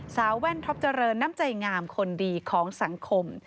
แว่นท็อปเจริญน้ำใจงามคนดีของสังคม